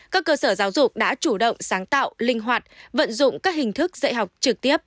các cơ sở giáo dục đã chủ động sáng tạo linh hoạt vận dụng các hình thức dạy học trực tiếp